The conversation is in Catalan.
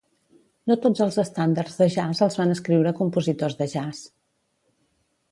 No tots els estàndards de jazz els van escriure compositors de jazz.